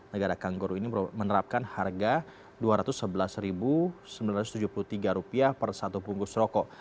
negara kangguru ini menerapkan harga rp dua ratus sebelas sembilan ratus tujuh puluh tiga per satu bungkus rokok